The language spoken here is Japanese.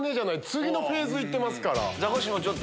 次のフェーズ行ってますから。